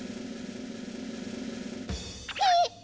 えっ！